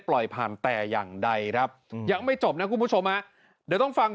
พระอาจารย์ออสบอกว่าอาการของคุณแป๋วผู้เสียหายคนนี้อาจจะเกิดจากหลายสิ่งประกอบกัน